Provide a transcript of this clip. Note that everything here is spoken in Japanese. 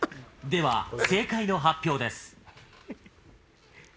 では正解の発表です。